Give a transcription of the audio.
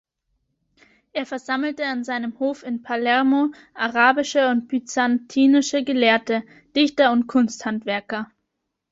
Er versammelte an seinem Hof in Palermo arabische und byzantinische Gelehrte, Dichter und Kunsthandwerker.